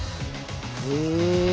へえ。